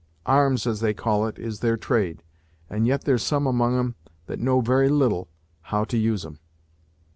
Arms, as they call it, is their trade, and yet there's some among 'em that know very little how to use 'em!"